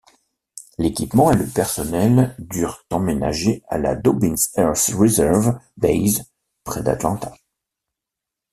L'équipement et le personnel durent emménager à la Dobbins Air Reserve Base près d'Atlanta.